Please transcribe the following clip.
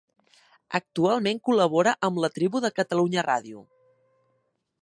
Actualment col·labora amb La tribu de Catalunya Ràdio.